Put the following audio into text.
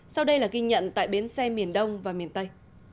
sau đây là ghi nhận tại bến xe miền đông và miền tây